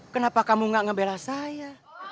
kenapa kamu enggak ngebelah saya